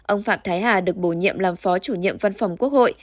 ông phạm thái hà được bổ nhiệm làm phó chủ nhiệm văn phòng quốc hội